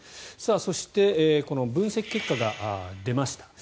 そしてこの分析結果が出ました。